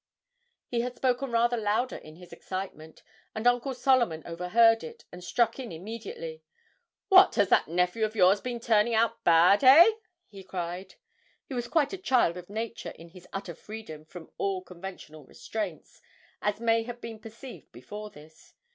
He had spoken rather louder in his excitement, and Uncle Solomon overheard it, and struck in immediately. 'What, has that nephew of yours been turning out bad, hey?' he cried; he was quite a child of nature in his utter freedom from all conventional restraints, as may have been perceived before this.